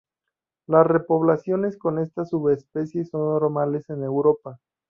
Las repoblaciones con esta subespecie son normales en Europa.